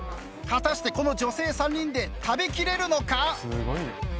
果たしてこの女性３人で食べ切れるのか？